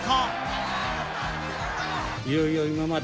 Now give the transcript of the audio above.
いよいよ今まで